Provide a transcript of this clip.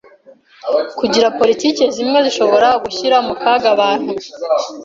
kugira politiki zimwe zishobora gushyira mu kaga abantu